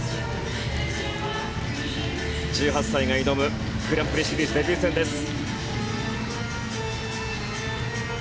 １８歳が挑むグランプリシリーズデビュー戦です。